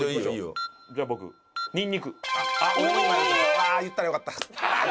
うわあ言ったらよかった。